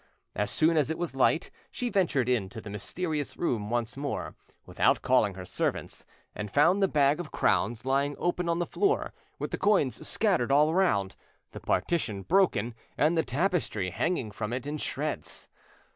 As soon as it was light she ventured into the mysterious room once more; without calling her servants, and found the bag of crowns lying open on the floor, with the coins scattered all around, the partition broken, and the tapestry hanging from it in shreds.